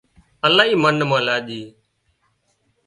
الاهي منَ مان لاڄي